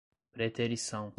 preterição